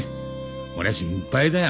俺は心配だよ